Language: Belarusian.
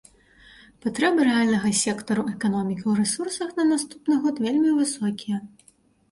Патрэбы рэальнага сектару эканомікі ў рэсурсах на наступны год вельмі высокія.